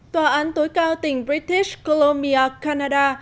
tòa án tối cao tỉnh british columbia canada